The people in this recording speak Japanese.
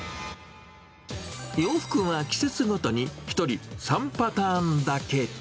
洋服は季節ごとに１人３パターンだけ。